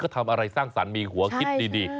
ทำอะไรสร้างสรรค์มีหัวคิดดี